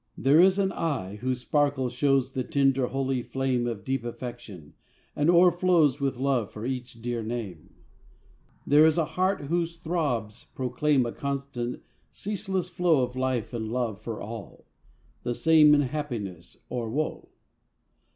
There is an eye, whose sparkle shows The tender holy flame Of deep affection, and o'erflows With love for each dear name. There is a heart, whose throbs proclaim A constant, ceaseless flow Of life and love for all; the same In happiness or woe.